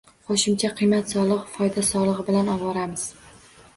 Qoʻshimcha qiymat soligʻi, foyda soligʻi bilan ovoramiz.